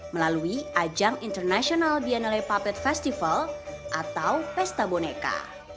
melalui ajang international biennale puppet festival atau pesta boneka